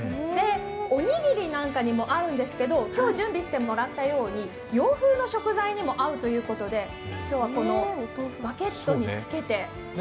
おにぎりなんかにも合うんですけど、今日準備してもらったように、洋風の食材にも合うということで今日はこのバゲットにつけて。